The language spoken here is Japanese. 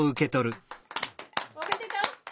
おめでとう！